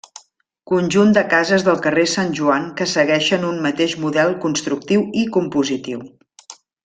Conjunt de cases del carrer Sant Joan que segueixen un mateix model constructiu i compositiu.